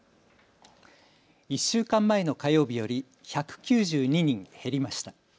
１週間前の火曜日より１９２人減りました。